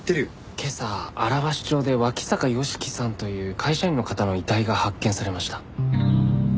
今朝荒鷲町で脇坂芳樹さんという会社員の方の遺体が発見されました。